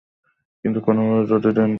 কিন্তু কোনোভাবে যদি ডেটোনেট না হয়?